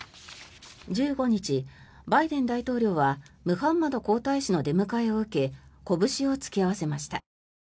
１５日、バイデン大統領はムハンマド皇太子の出迎えを受けこぶしを突き合わせました。